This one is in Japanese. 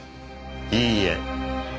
いいえ。